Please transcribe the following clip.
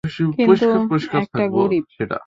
কিন্তু একটা গরীব?